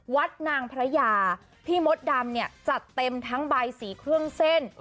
วัดนางพระยาพี่มดดำเนี่ยจัดเต็มทั้งใบสีเครื่องเส้น